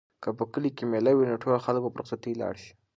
که په کلي کې مېله وي نو ټول خلک به په رخصتۍ لاړ شي.